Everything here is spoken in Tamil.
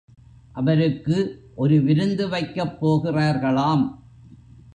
அவருக்கு ஒரு விருந்து வைக்கப் போகிறார்களாம்.